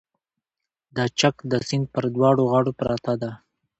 د چک د سیند پر دواړو غاړو پرته ده